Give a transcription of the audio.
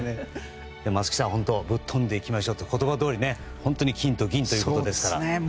松木さんぶっ飛んでいきましょうって言葉どおり本当に金と銀ということですから。